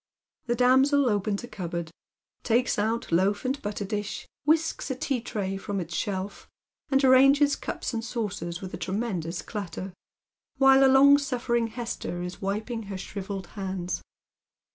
The damsel opens a cupboard, takes out loaf and butter disli, whisks a tea tray from its shelf, and arranges cups and saucers with a tremendous clatter, while the longsuifering Hester is wiping her shrivelled hands.